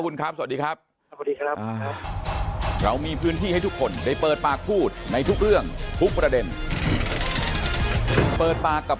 ขอให้ได้การคืนนะครับสงสารขอให้ได้เงินคืนนะครับ